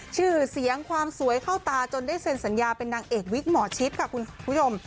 ชื่อเสียงความสวยเข้าตาจนได้เซ็นสัญญาเป็นนางเอกวิกหมอชิปค่ะคุณผู้ชม